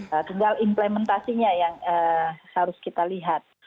tinggal implementasinya yang harus kita lihat